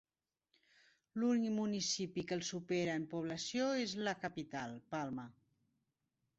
L'únic municipi que el supera en població és la capital, Palma.